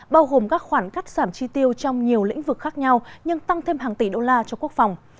bao gồm các khoản cắt giảm chi tiêu trong nhiều lĩnh vực khác nhau nhưng tăng thêm hàng tỷ đô la cho quốc phòng